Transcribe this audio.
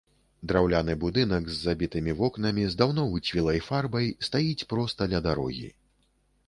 Драўляны будынак з забітымі вокнамі, з даўно выцвілай фарбай стаіць проста ля дарогі.